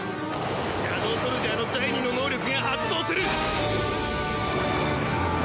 シャドウソルジャーの第二の能力が発動する！